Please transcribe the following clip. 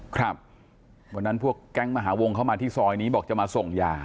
ครับวันนั้นพวกแก๊งมหาวงเข้ามาที่ซอยนี้บอกจะมาส่งยา